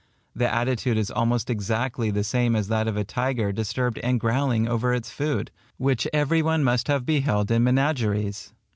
The attitude is almost exactly the same as that of a tiger disturbed and growling over its food, which every one must have beheld in menageries.